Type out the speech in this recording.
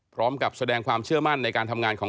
พร้อมกับแสดงความเชื่อมั่นในการทำงานของ